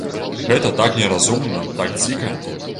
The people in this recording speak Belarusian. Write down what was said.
Гэта так неразумна, так дзіка.